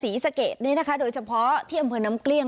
ศรีสะเกดนี้นะคะโดยเฉพาะที่อำเภอน้ำเกลี้ยง